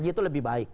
itu lebih baik